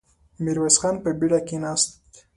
ميرويس خان په بېړه کېناست.